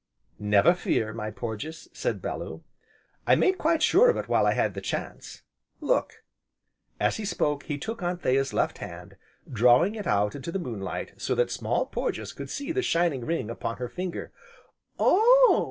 "Never fear, my Porges," said Bellew, "I made quite sure of it while I had the chance, look!" As he spoke, he took Anthea's left hand, drawing it out into the moonlight, so that Small Porges could see the shining ring upon her finger. "Oh!"